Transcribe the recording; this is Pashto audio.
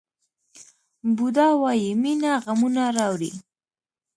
بودا وایي مینه غمونه راوړي.